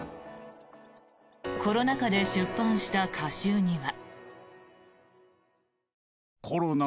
コロナ禍で出版した歌集には。